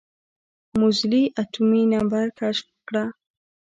موزلي اتومي نمبر کشف کړه.